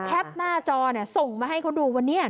หน้าจอเนี่ยส่งมาให้เขาดูวันนี้